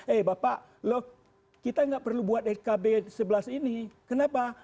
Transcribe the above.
eh bapak loh kita nggak perlu buat skb sebelas ini kenapa